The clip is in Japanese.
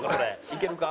いけるか？